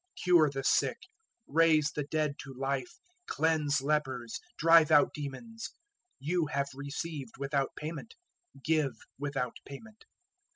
010:008 Cure the sick, raise the dead to life, cleanse lepers, drive out demons: you have received without payment, give without payment.